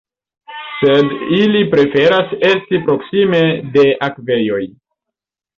Sed ili preferas esti proksime de akvejoj.